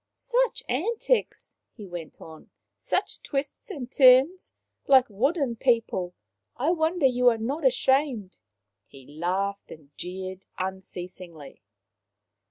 " Such antics !" he went on. Such twists and turns ! Like wooden people ! I wonder you are not ashamed." He laughed and jeered unceas ingly.